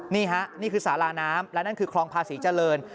นี่ฮะนี่คือสาราน้ำและนั่นคือคลองภาษีเจริญ